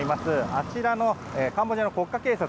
あちらのカンボジアの国家警察